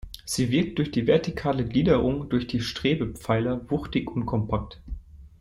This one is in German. Sie wirkt durch die vertikale Gliederung durch die Strebepfeiler wuchtig und kompakt.